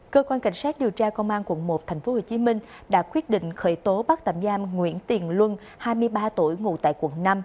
cơ quan cảnh sát điều tra công an quận một tp hcm đã quyết định khởi tố bắt tạm giam nguyễn tiền luân hai mươi ba tuổi ngủ tại quận năm